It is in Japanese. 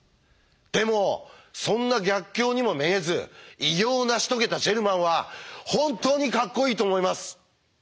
でもそんな逆境にもめげず偉業を成し遂げたジェルマンは本当にかっこいいと思います！